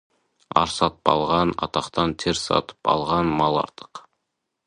Ар сатып алған атақтан тер сатып алған мал артық.